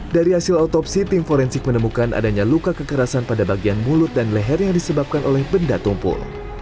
dari hasil otopsi tim forensik menemukan adanya luka kekerasan pada bagian mulut dan leher yang disebabkan oleh benda tumpul